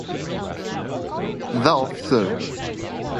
The officer later admitted in court that he had punched Watts.